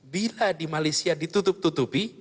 bila di malaysia ditutup tutupi